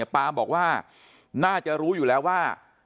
ปามบอกว่าน่าจะรู้อยู่แล้วว่า